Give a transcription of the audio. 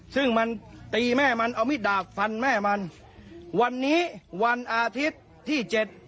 ซึ่งมันตีแม่มันเอามิดดาบฟันแม่มันวันนี้วันอาทิตย์ที่เจ็ด